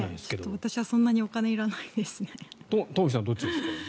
私はそんなお金いらないですね。